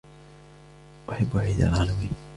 أحب عيد الهالوين